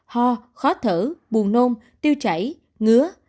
ho khó thở buồn nôn tiêu chảy ngứa